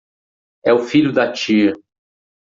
É o filho da tia